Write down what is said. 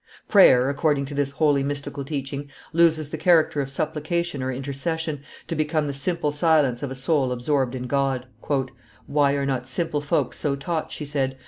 Prayer, according to this wholly mystical teaching, loses the character of supplication or intercession, to become the simple silence of a soul absorbed in God. "Why are not simple folks so taught?" she said.